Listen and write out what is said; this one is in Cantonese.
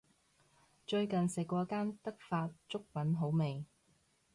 最近食過間德發粥品好味